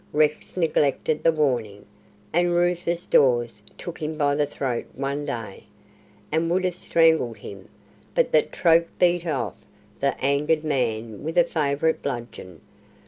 Rex neglected the warning, and Rufus Dawes took him by the throat one day, and would have strangled him, but that Troke beat off the angered man with a favourite bludgeon.